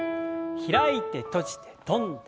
開いて閉じて跳んで。